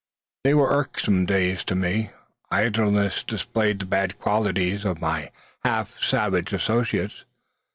They were irksome days to me. Idleness displayed the bad qualities of my half savage associates.